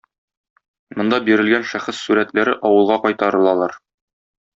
Монда бирелгән шәхес сурәтләре авылга кайтарылалар.